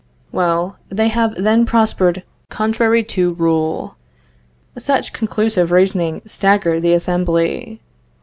Well, they have then prospered contrary to rule." Such conclusive reasoning staggered the assembly.